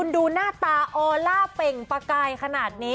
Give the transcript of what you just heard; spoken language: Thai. ดูหน้าตาออล่าเป่งประกายขนาดนี้